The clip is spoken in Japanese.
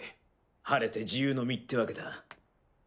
晴れて自由の身ってわけだ。